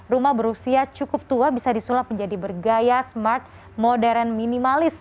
rumah berusia cukup tua bisa disulap menjadi bergaya smart modern minimalis